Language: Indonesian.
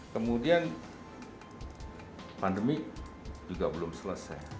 kemudian pandemi juga belum selesai